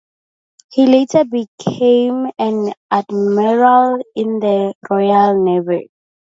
He later became an admiral in the Royal Navy.